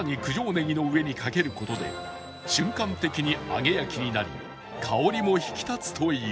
ネギの上にかける事で瞬間的に揚げ焼きになり香りも引き立つという